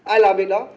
ai làm việc đó